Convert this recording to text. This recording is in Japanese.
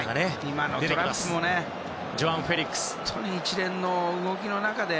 今のトラップも一連の動きの中で。